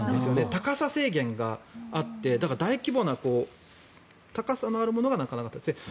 高さ制限があって大規模な高さのあるものがなかなか建てられない。